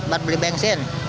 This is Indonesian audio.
buat beli bensin rp sepuluh